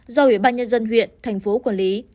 do ủy ban nhân dân huyện thành phố quản lý